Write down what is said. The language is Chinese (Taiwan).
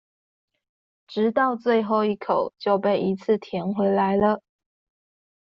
直到最後一口就被一次甜回來了